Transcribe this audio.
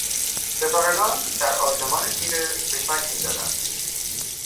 ستارگان در آسمان تیره چشمک میزدند.